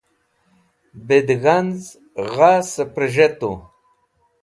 pidg̃hanz̃ gha siprez̃hetu